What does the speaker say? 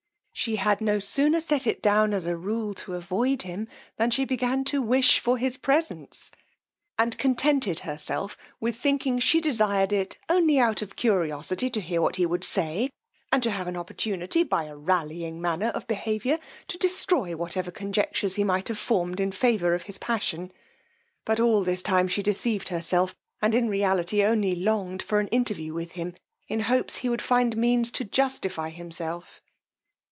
she had no sooner set it down as a rule to avoid him, than she began to wish for his presence, and contented herself with thinking she desired it only out of curiosity to hear what he would say, and to have an opportunity, by a rallying manner of behaviour, to destroy whatever conjectures he might have form'd in favour of his passion; but all this time she deceived herself, and in reality only longed for an interview with him, in hopes he would find means to justify himself.